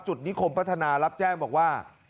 นิคมพัฒนารับแจ้งบอกว่า